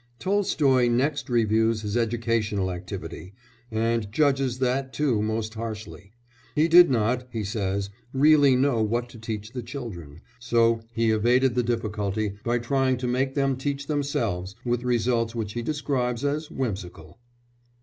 Tolstoy next reviews his educational activity, and judges that too most harshly; he did not, he says, really know what to teach the children, so he evaded the difficulty by trying to make them teach themselves, with results which he describes as whimsical.